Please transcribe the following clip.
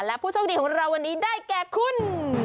และผู้โชคดีของเราวันนี้ได้แก่คุณ